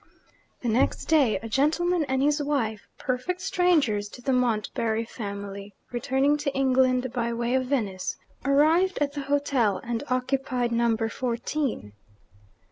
The next day, a gentleman and his wife (perfect strangers to the Montbarry family), returning to England by way of Venice, arrived at the hotel and occupied Number Fourteen.